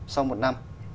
sau một năm